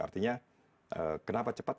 artinya kenapa cepat